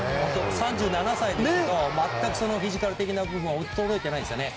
３７歳ですけど全くフィジカル的な部分は衰えていないですよね。